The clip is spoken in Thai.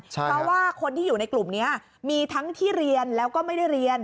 เพราะว่าคนที่อยู่ในกลุ่มนี้มีทั้งที่เรียนแล้วก็ไม่ได้เรียน